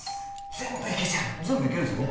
全部いけちゃうの全部いけるんですよね？